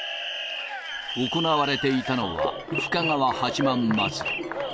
行われていたのは、深川八幡祭り。